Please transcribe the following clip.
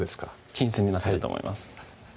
均一になってると思います